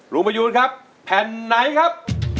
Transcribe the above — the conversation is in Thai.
ลุงประยุณครับแผ่นไหนครับ